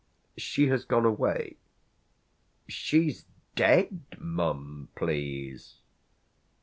"She has gone away?" "She's dead, mum, please."